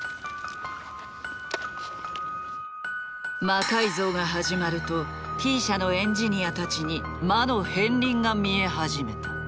魔改造が始まるとＴ社のエンジニアたちに魔の片りんが見え始めた。